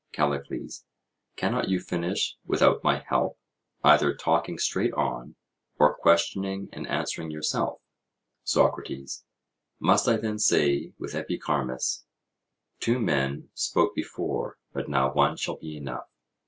CALLICLES: Cannot you finish without my help, either talking straight on, or questioning and answering yourself? SOCRATES: Must I then say with Epicharmus, "Two men spoke before, but now one shall be enough"?